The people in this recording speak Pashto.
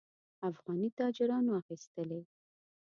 افغاني تاجرانو اخیستلې.